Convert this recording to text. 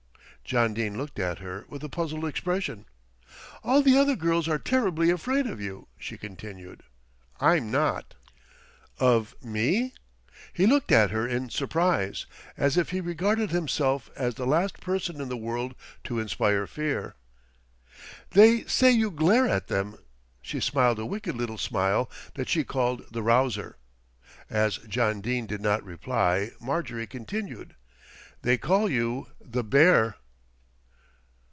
John Dene looked at her with a puzzled expression. "All the other girls are terribly afraid of you," she continued. "I'm not." "Of me?" He looked at her in surprise, as if he regarded himself as the last person in the world to inspire fear. "They say you glare at them." She smiled a wicked little smile that she called "the rouser." As John Dene did not reply Marjorie continued: "They call you 'the bear.'"